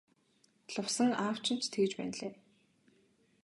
Лувсан аав чинь ч тэгж байна билээ.